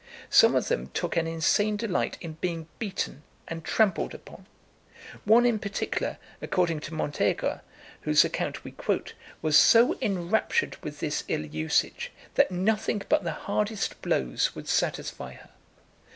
Some of them took an insane delight in being beaten and trampled upon. One in particular, according to Montégre, whose account we quote, was so enraptured with this ill usage, that nothing but the hardest blows would satisfy her.